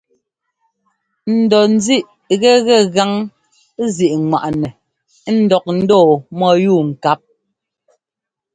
N dɔ ńzíꞌ gɛgɛ gaŋzíꞌŋwaꞌnɛ ńdɔk ndɔɔ mɔ́yúu ŋkáp.